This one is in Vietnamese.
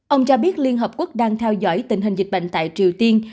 ông cho biết liên hợp quốc đang theo dõi tình hình dịch bệnh tại triều tiên